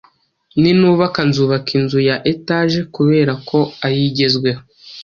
Ninubaka nzubaka inzu ya etaje kuberako ariyo igezweho